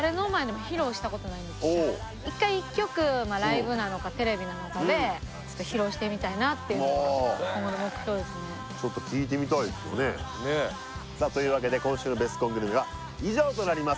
まだ何か一回一曲ライブなのかテレビなのかで披露してみたいなっていうのが今後の目標ですねちょっと聴いてみたいですけどねねえさあというわけで今週のベスコングルメは以上となります